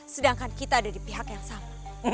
sedangkan kita ada di pihak yang sama